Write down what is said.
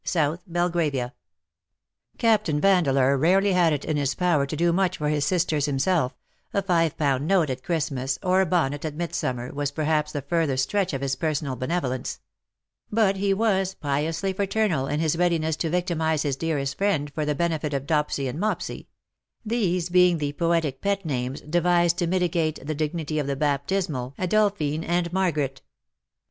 South Belgravia. Captain Vandeleur rarely had it in his power to do much for his sisters himself — a five pound note at Christmas or a bonnet at Midsummer was perhaps the furthest stretch of his personal benevolence — but he was piously fraternal in his readiness to victimize his dearest friend for the benefit of Dopsy and Mopsy — these being the poetic pet names devised to mitigate the dignity of the baptismal 180 "and pale from the past Adolphine and Margaret.